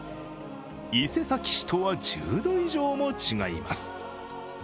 伊勢崎市とは１０度以上も違います。